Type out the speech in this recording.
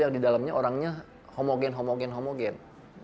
yang di dalamnya orangnya homogen homogen homogen